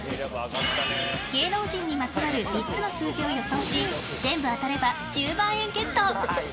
芸能人にまつわる３つの数字を予想し全部当たれば１０万円ゲット。